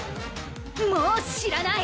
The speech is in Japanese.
もう知らない！